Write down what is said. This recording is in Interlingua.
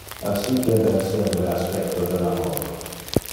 Assi debe esser le aspecto del amor.